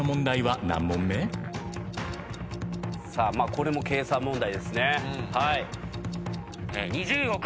これも計算問題ですね。